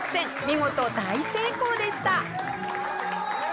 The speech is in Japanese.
見事大成功でした。